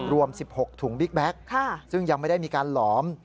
รวม๑๖ถุงบิ๊กแบ็คซึ่งยังไม่ได้มีการหลอม